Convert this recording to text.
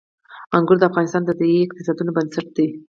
انګور د افغانستان د ځایي اقتصادونو بنسټ دی.